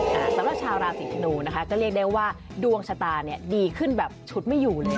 สำหรับชาวราศีธนูนะคะก็เรียกได้ว่าดวงชะตาเนี่ยดีขึ้นแบบฉุดไม่อยู่เลย